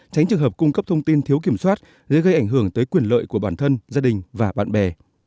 tránh trường hợp cung cấp thông tin thiếu kiểm soát dễ gây ảnh hưởng tới quyền lợi của bản thân gia đình và bạn bè